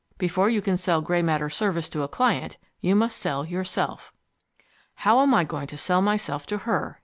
Before you can sell Grey Matter Service to a Client, you must sell YOURSELF. "How am I going to sell myself to her?"